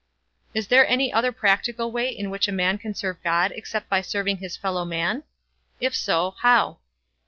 Is there any other practical way in which a man can serve God except by serving his fellowmen? If so, how?